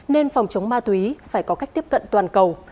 nên phòng chống ma túy phải có cách tiếp cận toàn cầu